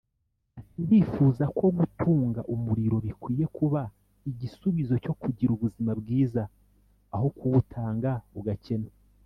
Ati “Ndifuza ko gutunga umuriro bikwiye kuba igisubizo cyo kugira ubuzima bwiza aho kuwutunga ugakena